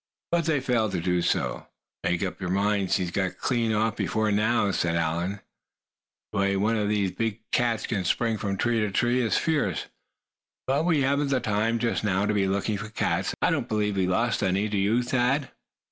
But they failed to do so. "Make up your minds he's got clean off before now," said Allan. "The way one of those big cats can spring from tree to tree is fierce. But we haven't the time just now to be looking for cats. I don't believe we've lost any, do you, Thad?"